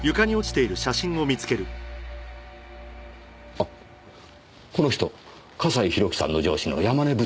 あっこの人笠井宏樹さんの上司の山根部長ですね。